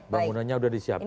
bangunannya udah disiapkan